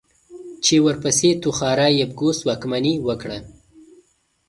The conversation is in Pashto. چې ورپسې توخارا يبگوس واکمني وکړه.